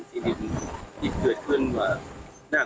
สิ่งที่มันเกิดขึ้นว่า